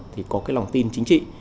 thì có cái lòng tin chính trị